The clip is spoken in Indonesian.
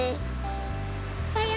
nggak ada apa apa